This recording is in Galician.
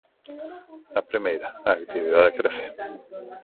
A primeira, a actividade crece.